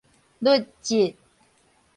甪職